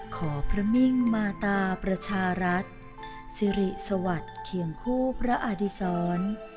ขอพระมิ่งมาตาประชารัฐสิริสวัสดิ์เคียงคู่พระอดิษร